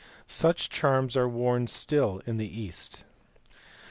Such charms are worn still in the East.